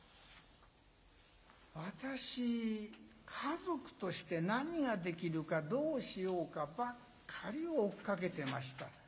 私、家族として何ができるか、どうしようかばっかり追っかけてました。